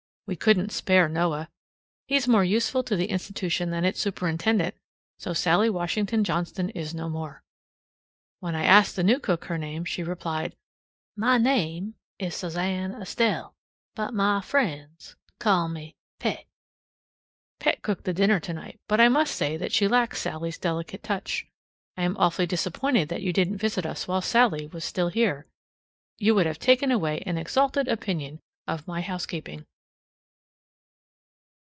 We couldn't spare Noah. He's more useful to the institution than its superintendent, and so Sallie Washington Johnston is no more. When I asked the new cook her name, she replied, "Ma name is Suzanne Estelle, but ma friends call me Pet." Pet cooked the dinner tonight, but I must say that she lacks Sallie's delicate touch. I am awfully disappointed that you didn't visit us while Sallie was still here. You would have taken away an exalted opinion of my housekeeping.